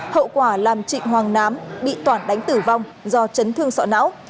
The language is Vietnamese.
hậu quả làm trịnh hoàng nám bị toản đánh tử vong do chấn thương sọ não